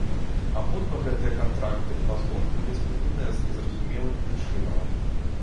Абодва гэтыя кантракты праз год былі спыненыя з незразумелых прычынаў.